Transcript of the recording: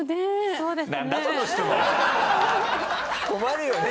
困るよね？